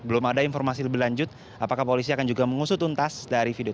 belum ada informasi lebih lanjut apakah polisi akan juga mengusut untas dari video